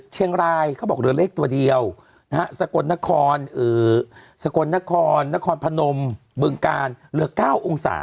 เขาบอกเหลือเลขตัวเดียวนะฮะสกลนครสกลนครนครพนมบึงกาลเหลือ๙องศา